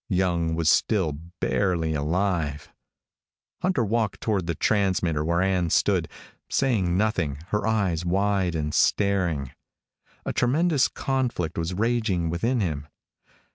Young was still barely alive. Hunter walked toward the transmitter, where Ann stood, saying nothing, her eyes wide and staring. A tremendous conflict was raging within him.